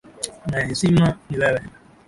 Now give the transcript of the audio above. Na hesima ni wewe.